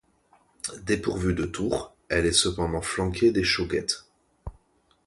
Dépourvue de tours, elle est cependant flanquée d'échauguettes.